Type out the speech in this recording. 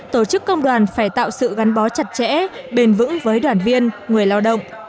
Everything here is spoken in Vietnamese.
tổ chức công đoàn phải tạo sự gắn bó chặt chẽ bền vững với đoàn viên người lao động